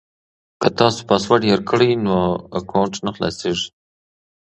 که تاسو پاسورډ هېر کړئ نو اکاونټ نه خلاصیږي.